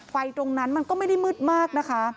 ไฟตรงนั้นมันก็ไม่ได้มืดมากนะคะ